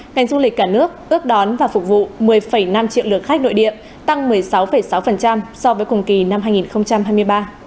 ngành du lịch cả nước ước đón và phục vụ một mươi năm triệu lượt khách nội địa tăng một mươi sáu sáu so với cùng kỳ năm hai nghìn hai mươi ba